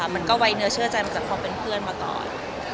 มันก็ไว้เนื้อเชื่อใจมาจากความเป็นเพื่อนมาก่อน